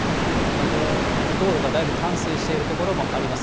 道路がだいぶ冠水している所もあります。